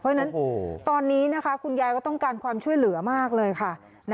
เพราะฉะนั้นตอนนี้นะคะคุณยายก็ต้องการความช่วยเหลือมากเลยค่ะ